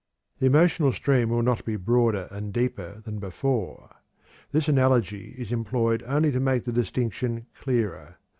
The emotional stream will not be broader and deeper than before. This analogy is employed only to make the distinction clearer.